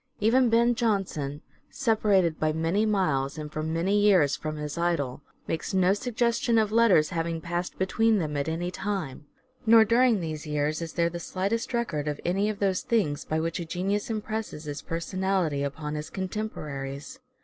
Even Ben Jonson, separated by many miles and for many years from his idol, makes no suggestion of letters having passed between them at any time. Nor during these years is there the slightest record of any of those things by which a genius impresses his personality upon his contemporaries.